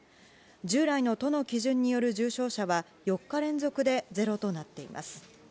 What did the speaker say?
従来の都の基準による重症者は、４日連続でゼロとなっています。